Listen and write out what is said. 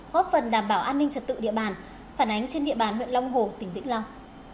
góp phần đảm bảo an ninh trật tự địa bàn phản ánh trên địa bàn huyện long hồ tỉnh vĩnh long